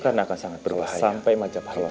karena akan sangat berbahaya